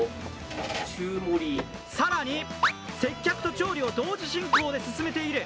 更に、接客と調理を同時進行で進めている。